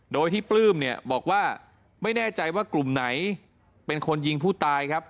โดยที่ปลื้มเนี่ยบอกว่าไม่แน่ใจว่ากลุ่มไหนเป็นคนยิงผู้ตายครับ